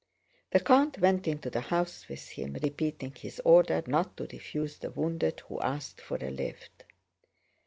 The count went into the house with him, repeating his order not to refuse the wounded who asked for a lift.